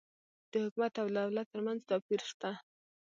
د حکومت او دولت ترمنځ توپیر سته